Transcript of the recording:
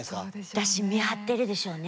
だし見張ってるでしょうね。